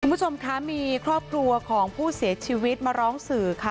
คุณผู้ชมคะมีครอบครัวของผู้เสียชีวิตมาร้องสื่อค่ะ